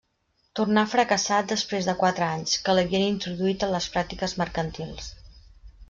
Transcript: Tornà fracassat després de quatre anys, que l'havien introduït en les pràctiques mercantils.